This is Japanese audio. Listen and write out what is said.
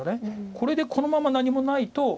これでこのまま何もないと。